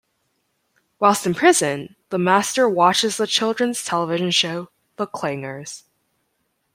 Whilst imprisoned, the Master watches the children's television show "The Clangers".